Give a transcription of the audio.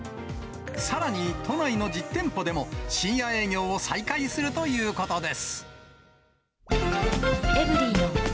さらに都内の１０店舗でも、深夜営業を再開するということです。